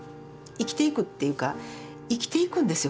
生きていくっていうか生きていくんですよ